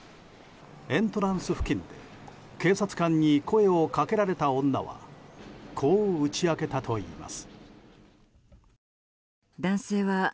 エントランス付近で警察官に声をかけられた女はこう打ち明けたといいます。